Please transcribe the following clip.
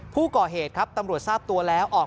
ผู้ก่อเหตุครับตำรวจทราบตัวแล้วออก